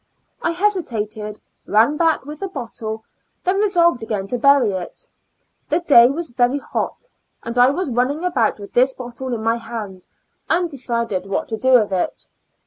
I hesitated, ran back with the bottle, then resolved again to bury it. The day was very hot, and I was running about with this bottle in my hand, undecided what to do with it.